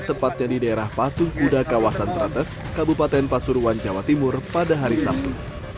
tepatnya di daerah patung kuda kawasan tretes kabupaten pasuruan jawa timur pada hari sabtu